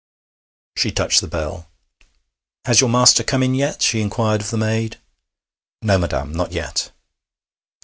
She touched the bell. 'Has your master come in yet?' she inquired of the maid. 'No, madam, not yet.'